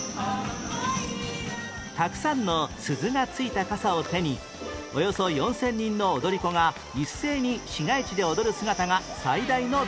たくさんの鈴がついた傘を手におよそ４０００人の踊り子が一斉に市街地で踊る姿が最大の見どころ